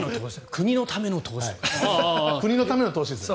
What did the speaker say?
国のための投資ですね。